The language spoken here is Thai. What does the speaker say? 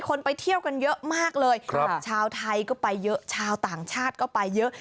ไปเที่ยวกันเยอะมากเลยครับชาวไทยก็ไปเยอะชาวต่างชาติก็ไปเยอะ